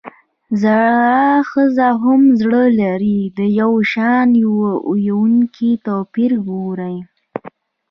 زړه ښځه هم زړۀ لري ؛ د يوشان ويونو توپير وګورئ!